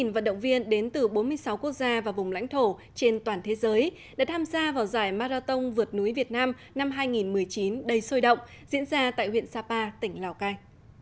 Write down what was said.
một vận động viên đến từ bốn mươi sáu quốc gia và vùng lãnh thổ trên toàn thế giới đã tham gia vào giải marathon vượt núi việt nam năm hai nghìn một mươi chín đầy sôi động diễn ra tại huyện sapa tỉnh lào cai